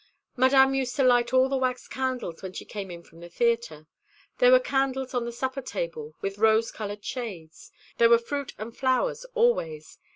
"Madame used to light all the wax candles when she came in from the theatre. There were candles on the supper table with rose coloured shades. There were fruit and flowers always.